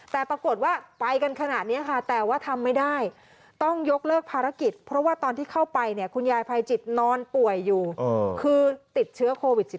แต่ปรากฏว่าไปกันขนาดนี้ค่ะแต่ว่าทำไม่ได้ต้องยกเลิกภารกิจเพราะว่าตอนที่เข้าไปเนี่ยคุณยายภัยจิตนอนป่วยอยู่คือติดเชื้อโควิด๑๙